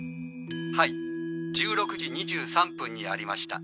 はい１６時２３分にありました。